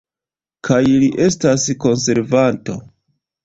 Kaj li estas konservanto!